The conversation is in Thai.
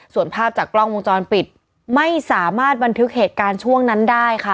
ส่วนภาพจากกล้องวงจรปิดไม่สามารถบันทึกเหตุการณ์ช่วงนั้นได้ค่ะ